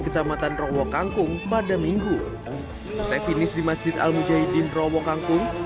kecamatan rowo kangkung pada minggu usai finish di masjid al mujahidin rowo kangkung